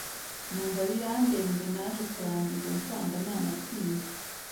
numva birandenze naje kurangiza nsanga nanatsinze